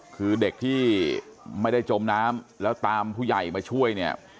คือเด็กที่ไม่ได้จมน้ำแล้วตามผู้ใหญ่มาช่วยเนี่ย